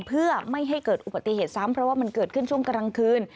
เพื่อไม่ให้เกิดอุบัติเหตุซ้ำเพราะว่ามันเกิดขึ้นช่วงกลางคืน